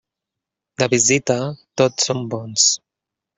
De visita, tots som bons.